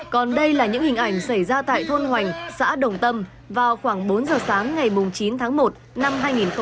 còn đây là những hình ảnh xảy ra tại thôn hoành xã đồng tâm vào khoảng bốn giờ sáng ngày chín tháng một năm hai nghìn hai mươi